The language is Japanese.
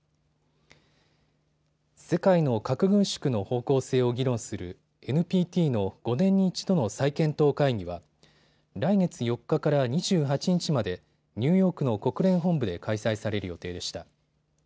世界の核軍縮の方向性を議論するＮＰＴの５年に１度の再検討会議は来月４日から２８日までニューヨークの国連本部で開催される予定でした。